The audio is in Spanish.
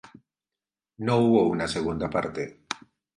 No hubo una segunda parte.